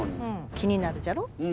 気になるじゃろ？